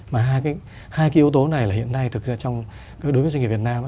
mà hai cái yếu tố này là hiện nay thực ra đối với doanh nghiệp việt nam